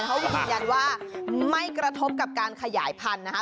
เขาก็ยืนยันว่าไม่กระทบกับการขยายพันธุ์นะคะ